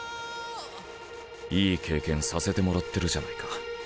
いい経験させてもらってるじゃないか。